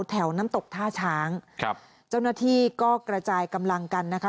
แถวน้ำตกท่าช้างครับเจ้าหน้าที่ก็กระจายกำลังกันนะคะ